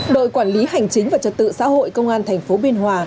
đội quản lý hành chính và trật tự xã hội công an thành phố biên hòa